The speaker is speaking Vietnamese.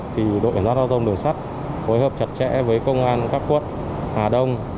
thì đội giáo thông đường sắt phối hợp chặt chẽ với công an các quận hà đông